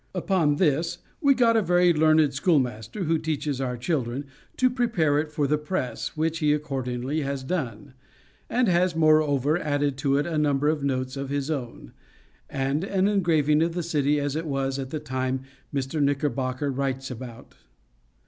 Upon this we got a very learned schoolmaster, who teaches our children, to prepare it for the press, which he accordingly has done; and has, moreover, added to it a number of notes of his own; and an engraving of the city, as it was at the time Mr. Knickerbocker writes about.